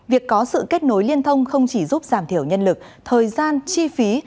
việc có sự kết nối liên thông không chỉ giúp giảm thiểu nhân lực thời gian chi phí